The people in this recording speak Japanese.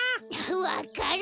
わかる！